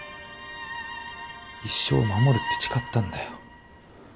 一生守るって誓ったんだよ。